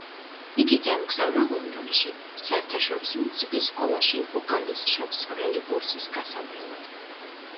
იგი გაემგზავრა ლონდონში, საერთაშორისო მუსიკის სკოლაში, ვოკალის შემსწავლელი კურსის გასავლელად.